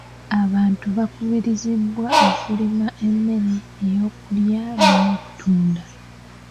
Abantu bakubirizibwa okulima emmere ey'okulya n'ey'okutunda.